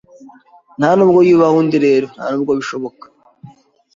Ntanubwo yubaha undi rero Ntanubwo bishoboka